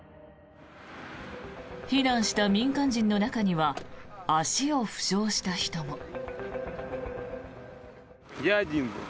避難した民間人の中には足を負傷した人も。